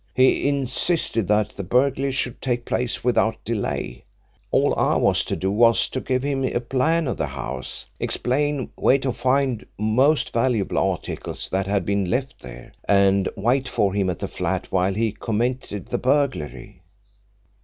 He insisted that the burglary should take place without delay. All I was to do was to give him a plan of the house, explain where to find the most valuable articles that had been left there, and wait for him at the flat while he committed the burglary.